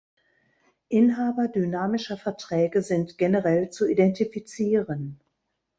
Inhaber dynamischer Verträge sind generell zu identifizieren.